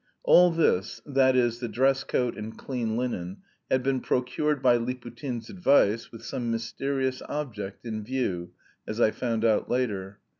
All this, that is, the dress coat and clean linen, had been procured by Liputin's advice with some mysterious object in view (as I found out later).